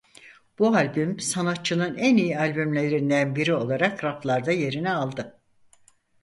Bu albüm sanatçının en iyi albümlerinden biri olarak raflarda yerini aldı.